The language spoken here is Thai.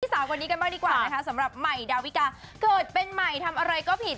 สาวคนนี้กันบ้างดีกว่านะคะสำหรับใหม่ดาวิกาเกิดเป็นใหม่ทำอะไรก็ผิด